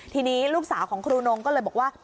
ทีนี้ลูกสาวของครูนงก็เลยบอกว่า